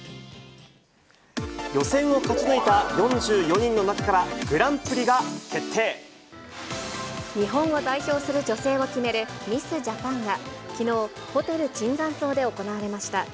予選を勝ち抜いた４４人の中日本を代表する女性を決めるミス・ジャパンがきのう、ホテル椿山荘で行われました。